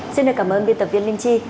xin cảm ơn biên tập viên linh chi